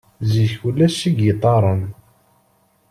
Zik ulac igiṭaren.